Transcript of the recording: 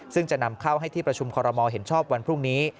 ซึ่งจะนำเข้าให้ที่ประชุมคอรมอลเห็นชอบวันพรุ่งนี้